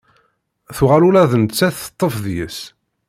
Tuɣal ula d nettat teṭṭef deg-s.